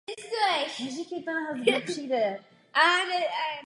Americké námořnictvo reagovalo rozšířením zóny hlídkování protiponorkových letounů.